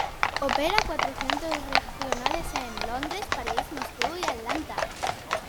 Opera cuatro centros regionales en: Londres, París, Moscú y Atlanta.